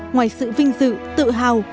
ngoài sự vinh dự tự hào